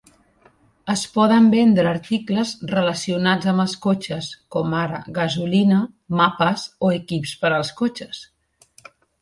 Es poden vendre articles relacionats amb els cotxes, com ara gasolina, mapes o equips per als cotxes.